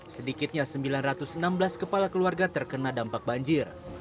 sedikitnya sembilan ratus enam belas kepala keluarga terkena dampak banjir